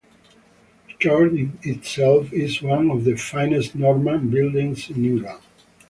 The church itself is one of the finest Norman buildings in England.